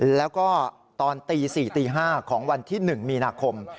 แล้วก็ตอนตี๔ตี๕ของวันที่๑มีนาคม